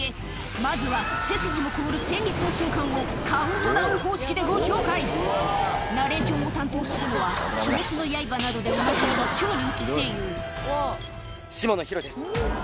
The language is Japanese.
まずは背筋も凍る戦慄の瞬間をカウントダウン方式でご紹介ナレーションを担当するのは『鬼滅の刃』などでおなじみの超人気声優下野紘です。